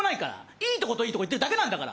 いいとこといいとこを言ってるだけなんだから。